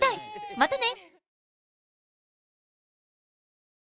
またね！